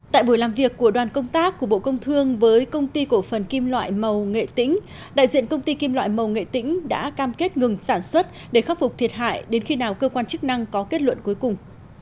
tại buổi làm việc của đoàn công tác của bộ công thương với công ty cổ phần kim loại màu nghệ tĩnh đại diện công ty kim loại màu nghệ tĩnh đã cam kết ngừng sản xuất để khắc phục thiệt hại đến khi nào cơ quan chức năng có kết luận cuối cùng